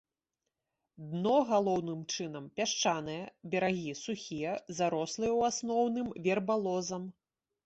Дно галоўным чынам пясчанае, берагі сухія, зарослыя ў асноўным вербалозам.